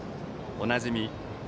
おなじみ